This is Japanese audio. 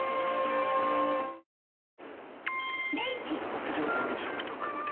牧場から食卓まで。